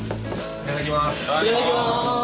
いただきます。